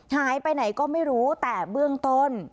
หายไปไหนก็ไม่รู้แต่เบื้องต้น